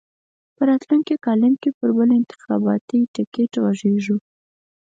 په راتلونکي کالم کې پر بل انتخاباتي ټکټ غږېږو.